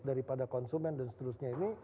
daripada konsumen dan seterusnya ini